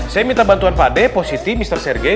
saya minta bantuan pak d pak siti mr sergei